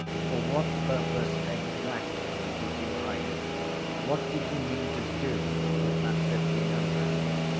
For what purpose exactly did you hide it, what did you mean to do with that fifteen hundred?